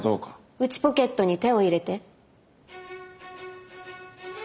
内ポケットに手を入れて？